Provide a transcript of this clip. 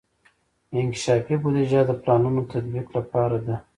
انکشافي بودیجه د پلانونو تطبیق لپاره ده.